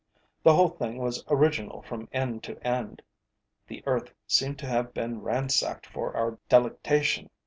The whole thing was original from end to end. The earth seemed to have been ransacked for our delectation.